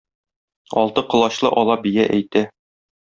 Алты колачлы ала бия әйтә: